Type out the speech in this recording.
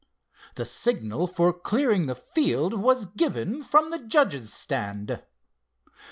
The signal for clearing the field was given from the judges' stand.